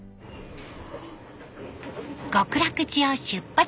極楽寺を出発！